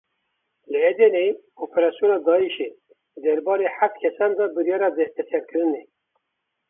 Li Edeneyê operasyona Daişê, derbarê heft kesan de biryara desteserkirinê.